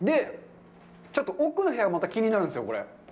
ちょっと奥の部屋もまた気になるんですよ。